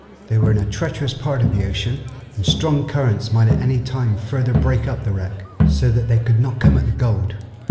They were in a treacherous part of the ocean, and strong currents might at any time further break up the wreck, so that they could not come at the gold.